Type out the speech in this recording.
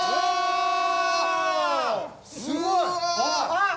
あっ！